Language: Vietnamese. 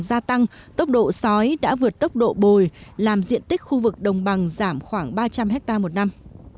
gia tăng tốc độ sói đã vượt tốc độ bồi làm diện tích khu vực đồng bằng giảm khoảng ba trăm linh hectare một năm